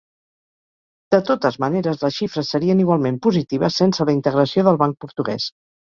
De totes maneres, les xifres serien igualment positives sense la integració del banc portuguès.